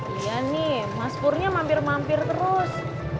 iya nih mas purnia mampir mampir terus